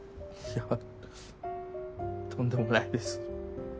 いやとんでもないです。